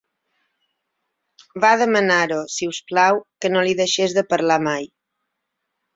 Va demanar-ho, si us plau, que no li deixés de parlar mai.